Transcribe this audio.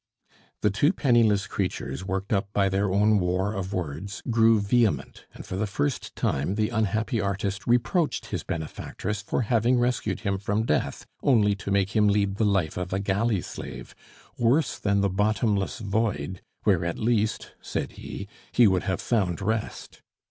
The two penniless creatures, worked up by their own war of words, grew vehement; and for the first time the unhappy artist reproached his benefactress for having rescued him from death only to make him lead the life of a galley slave, worse than the bottomless void, where at least, said he, he would have found rest.